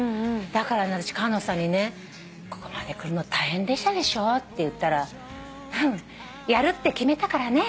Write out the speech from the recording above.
だからねあたし菅野さんにね「ここまで来るの大変でしたでしょ」って言ったら「やるって決めたからね」